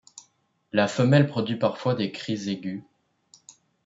La femelle produit parfois des cris aigus.